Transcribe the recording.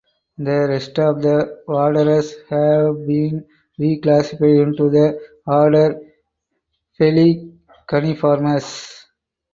The rest of the waders have been reclassified into the order Pelecaniformes.